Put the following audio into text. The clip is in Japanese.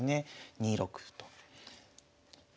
２六歩と。